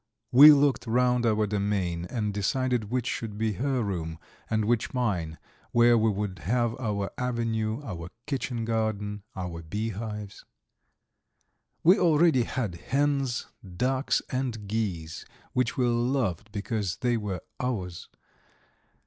We looked round our domain and decided which should be her room, and which mine, where we would have our avenue, our kitchen garden, our beehives. We already had hens, ducks, and geese, which we loved because they were ours.